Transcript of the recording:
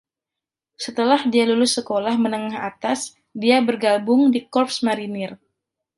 Setelah dia lulus sekolah menegah atas, dia bergabung di Korps Marinir.